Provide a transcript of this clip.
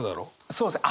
そうですね。